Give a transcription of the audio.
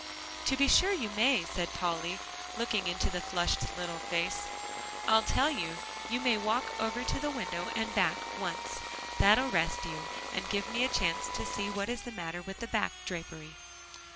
"To be sure you may," said Polly, looking into the flushed little face; "I'll tell you, you may walk over to the window and back, once; that'll rest you and give me a chance to see what is the matter with that back drapery."